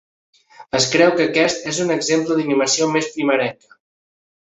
Es creu que aquest és un exemple d'animació més primerenca.